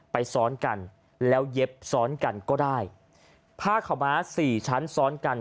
ไปซ้อนกันแล้วเย็บซ้อนกันก็ได้ผ้าขาวม้าสี่ชั้นซ้อนกัน